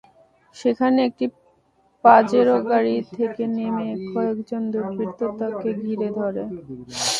সেখানে একটি পাজেরো গাড়ি থেকে নেমে কয়েকজন দুর্বৃত্ত তাঁকে ঘিরে ধরে।